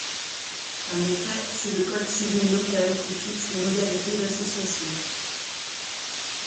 En effet, c'est le code civil local qui fixe les modalités d'association.